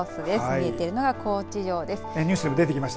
見えているのは高知城です。